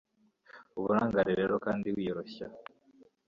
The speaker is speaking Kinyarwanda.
Uburangare rero kandi wiyoroshya